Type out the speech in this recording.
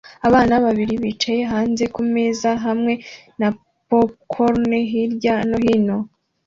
Abana babiri bicaye hanze kumeza hamwe na popcorn hirya no hino